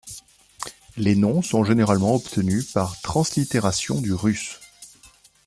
Les noms sont généralement obtenus par translittération du russe.